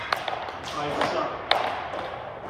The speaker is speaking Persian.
آیسا